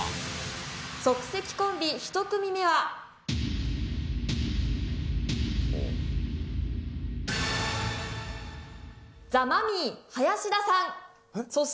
即席コンビ１組目はザ・マミィ林田さんえっ？